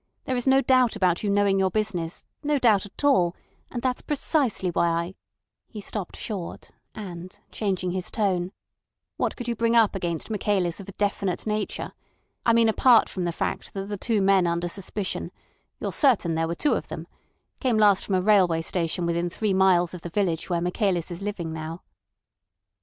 "There is no doubt about you knowing your business—no doubt at all; and that's precisely why I—" He stopped short, and changing his tone: "What could you bring up against Michaelis of a definite nature? I mean apart from the fact that the two men under suspicion—you're certain there were two of them—came last from a railway station within three miles of the village where Michaelis is living now."